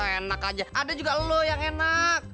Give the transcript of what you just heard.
enak aja ada juga lo yang enak